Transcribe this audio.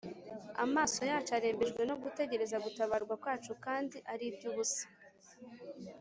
Amaso yacu arembejwe no gutegereza gutabarwa kwacu, Kandi ari iby’ubusa.